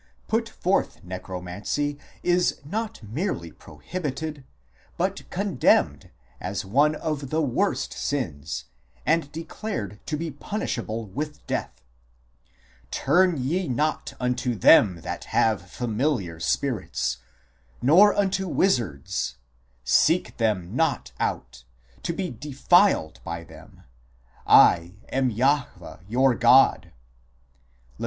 put forth Necro mancy is not merely prohibited, but condemned as one of the worst sins, and declared to be punishable with death :" Turn ye not unto them that have familiar spirits, nor unto the wizards ; seek them not out, to be defiled by them ; I am Jahwe your God " (Lev.